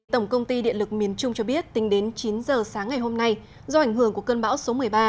tổng công ty điện lực miền trung cho biết tính đến chín giờ sáng ngày hôm nay do ảnh hưởng của cơn bão số một mươi ba